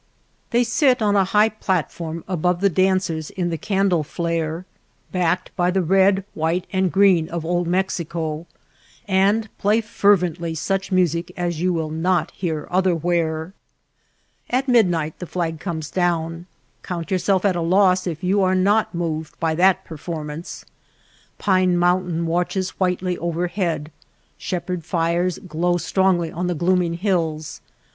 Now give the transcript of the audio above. They sit on a high platform above the dancers in the candle 276 CY NIGHT THERE WILL BE DANCING THE LITTLE TOWN OF THE GRAPE VINES flare, backed by the red, white, and green of Old Mexico, and play fervently such music as you will not hear otherwhere. At midnight the flag comes down. Count yourself at a loss if you are not moved by that performance. Pine Mountain watches whitely overhead, shepherd fires glow strongly on the glooming hills.